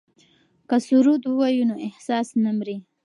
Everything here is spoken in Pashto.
که سرود ووایو نو احساس نه مري.